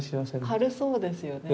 軽そうですよね。